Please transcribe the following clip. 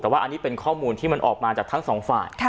แต่ว่าอันนี้เป็นข้อมูลที่มันออกมาจากทั้งสองฝ่าย